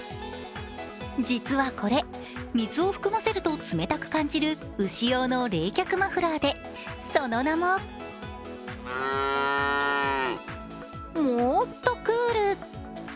実はこれ、水を含ませると冷たく感じる牛用の冷却マフラーで、その名もモーっとクール。